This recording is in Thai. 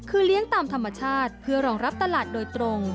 คือเลี้ยงตามธรรมชาติเพื่อรองรับตลาดโดยตรง